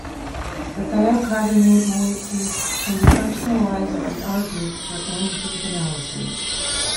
The thiocarbonate moiety can be functionalized at the R-group for end group analysis.